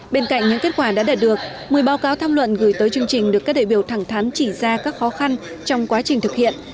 bên cạnh những kết quả đã đạt được một mươi báo cáo tham luận gửi tới chương trình được các đại biểu thẳng thắn chỉ ra các khó khăn trong quá trình thực hiện